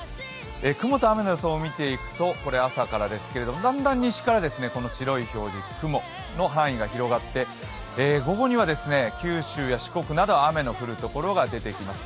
雲と雨の予想を見ていくと朝からですけどだんだん西から白い表示、雲の範囲が広がって、午後には九州や四国など雨の降る所が出てきます。